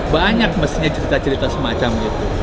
banyak mestinya cerita cerita semacam itu